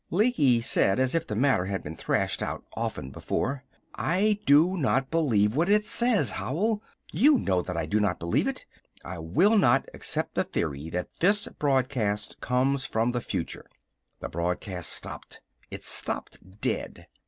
Lecky said, as if the matter had been thrashed out often before: "I do not believe what it says, Howell! You know that I do not believe it! I will not accept the theory that this broadcast comes from the future!" The broadcast stopped. It stopped dead.